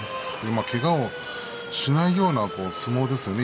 けがをしないような相撲ですよね